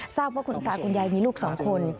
ทราบว่าคุณตาคุณยายมีลูก๒คน